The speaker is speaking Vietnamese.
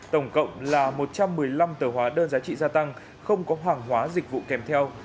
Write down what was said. tổng cộng là một trăm một mươi năm tờ hóa đơn giá trị gia tăng không có hoàng hóa dịch vụ kèm theo